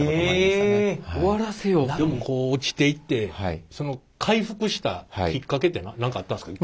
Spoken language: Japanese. こう落ちていってその回復したきっかけって何かあったんですか？